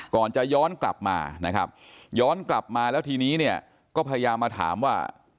ก่อนจะย้อนกลับมานะครับย้อนกลับมาแล้วทีนี้เนี่ยก็พยายามมาถามว่า